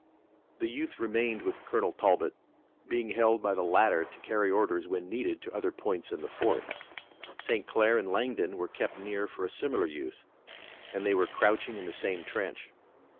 The youth remained with Colonel Talbot, being held by the latter to carry orders when needed to other points in the fort. St. Clair and Langdon were kept near for a similar use and they were crouching in the same trench.